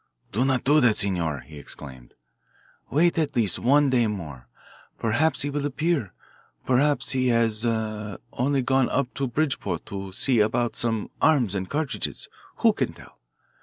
"Do not do that, Senor," he exclaimed. "Wait at least one day more. Perhaps he will appear. Perhaps he has only gone up to Bridgeport to see about some arms and cartridges who can tell?